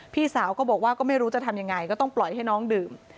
พี่สาวก็บอกว่าก็ไม่รู้จะทำยังไงก็ต้องปล่อยให้น้องดื่ม